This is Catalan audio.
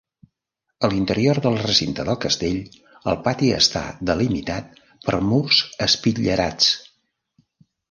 A l'interior del recinte del castell, el pati està delimitat per murs espitllerats.